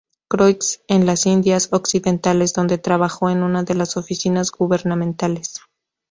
Croix en las Indias Occidentales, donde trabajó en una de las oficinas gubernamentales.